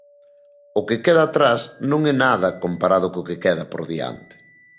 O que queda atrás non é nada comparado co que queda por diante.